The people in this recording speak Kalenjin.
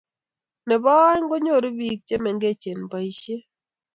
nebo aeng, konyoru biik chemengech boishiet